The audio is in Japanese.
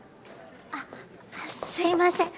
あすいません！